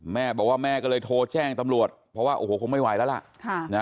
แม่บอกว่าแม่ก็เลยโทรแจ้งตำรวจเพราะว่าโอ้โหคงไม่ไหวแล้วล่ะ